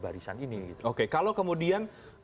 barisan ini oke kalau kemudian